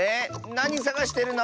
なにさがしてるの？